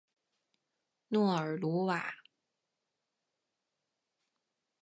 诺尔鲁瓦。